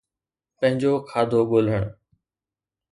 پنهنجو کاڌو ڳولڻ